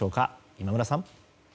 今村さん。